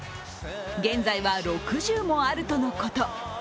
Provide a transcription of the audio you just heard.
現在は６０もあるとのこと。